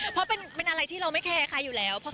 เพราะเป็นอะไรที่เราไม่แคร์ใครอยู่แล้ว